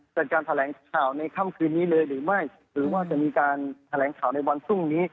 จัดการแถลงข่าวในค่ำคืนนี้เลยหรือไม่หรือว่าจะมีการแถลงข่าวในวันพรุ่งนี้